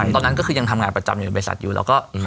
ตอนนั้นก็คือยังทำงานประจำอยู่ในบริษัทอยู่แล้วก็